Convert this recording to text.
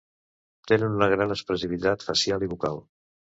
Tenen una gran expressivitat facial i vocal.